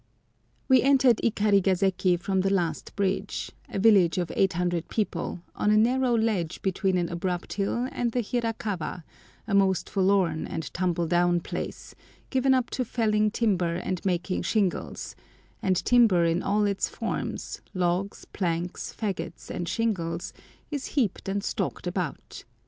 We entered Ikarigaseki from the last bridge, a village of 800 people, on a narrow ledge between an abrupt hill and the Hirakawa, a most forlorn and tumble down place, given up to felling timber and making shingles; and timber in all its forms—logs, planks, faggots, and shingles—is heaped and stalked about.